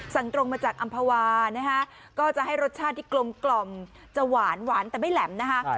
สั่งตรงมาจากอัมพวานะฮะก็จะให้รสชาติที่กลมกล่อมจะหวานแต่ไม่แหลมนะฮะ